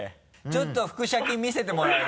ちょっと腹斜筋見せてもらえる？